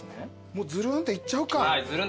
もうズルンっていっちゃおうか。